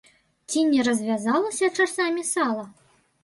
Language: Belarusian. Ці не развязалася часамі сала?